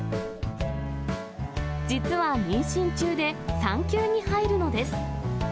実は妊娠中で、産休に入るのです。